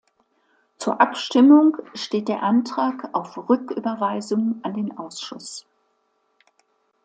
Zur Abstimmung steht der Antrag auf Rücküberweisung an den Ausschuss.